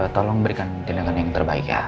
tolong berikan tindakan yang terbaik ya